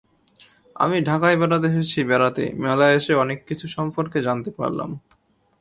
আমি ঢাকায় এসেছি বেড়াতে, মেলায় এসে অনেক কিছু সম্পর্কে জানতে পারলাম।